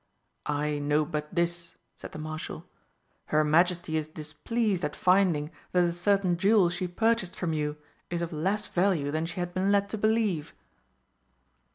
"I know but this," said the Marshal, "her Majesty is displeased at finding that a certain jewel she purchased from you is of less value than she had been led to believe."